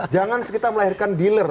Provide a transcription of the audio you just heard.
jangan kita melahirkan dealer